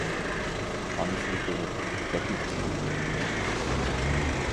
ئانىسىنى كۆرۈپ بەكمۇ خۇش بولۇپ كەتتى.